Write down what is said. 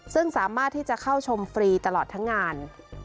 ซึ่งสามารถที่จะเข้าชมฟรีตลอดทั้งงาน